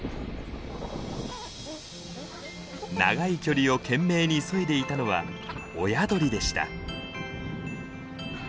長い距離を懸命に急いでいたのは親鳥でした。